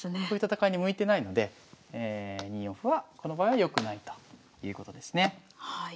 こういう戦いに向いてないので２四歩はこの場合は良くないということですね。